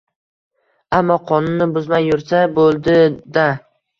Ammo, qonunni buzmay yursa, bo‘ldi-da.